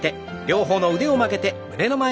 両方の腕を曲げて胸の前。